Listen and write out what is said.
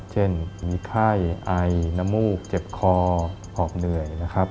เช่นมีไข้ไอน้ำมูกเจ็บคอหอบเหนื่อยนะครับ